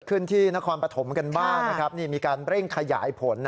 เกิดขึ้นที่นครปธมในบ้านมีการเร่งขยายผล